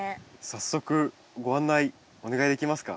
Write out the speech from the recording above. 早速ご案内お願いできますか？